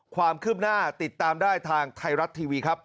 ความคืบหน้าติดตามได้ทางไทยรัฐทีวีครับ